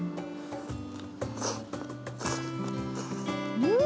うん。